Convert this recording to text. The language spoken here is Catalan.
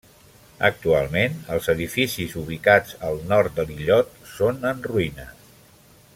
Actualment els edificis, ubicats al nord de l'illot, són en ruïnes.